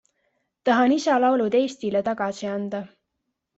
Tahan isa laulud Eestile tagasi anda.